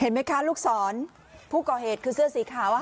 เห็นไหมคะลูกศรผู้ก่อเหตุคือเสื้อสีขาวอ่ะค่ะ